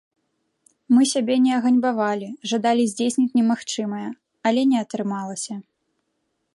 Мы сябе не аганьбавалі, жадалі здзейсніць немагчымае, але не атрымалася.